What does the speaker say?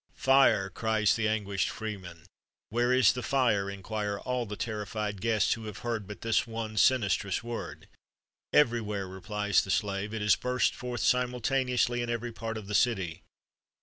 "Fire!" cries the anguished freed man. "Where is the fire?" inquire all the terrified guests, who have heard but this one sinistrous word. "Everywhere!" replies the slave; "it has burst forth simultaneously in every part of the city!"